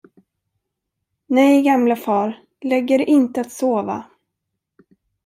Nej, gamlefar, lägg er inte att sova!